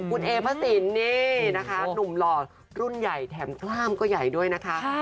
คุณเอพระสินนี่นะคะหนุ่มหล่อรุ่นใหญ่แถมกล้ามก็ใหญ่ด้วยนะคะ